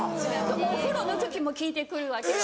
お風呂の時も聞いてくるわけよ。